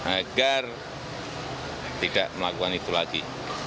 agar tidak melakukan itu lagi